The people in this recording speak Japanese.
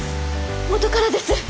元からです！